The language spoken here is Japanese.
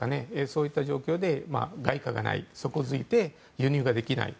そういった状況で外貨がない底を突いて、輸入ができない。